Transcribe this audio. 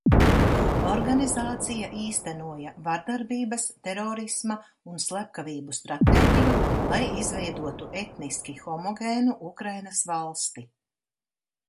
Organizācija īstenoja vardarbības, terorisma un slepkavību stratēģiju, lai izveidotu etniski homogēnu Ukrainas valsti.